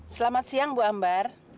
selamat siang bu ambar